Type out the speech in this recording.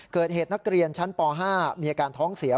เกิดเหตุนักเรียนชั้นป๕มีอาการท้องเสียว